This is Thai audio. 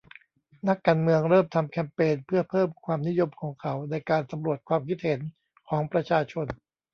นักการเมืองเริ่มทำแคมเปญเพื่อเพิ่มความนิยมของเขาในการสำรวจความคิดเห็นของประชาชน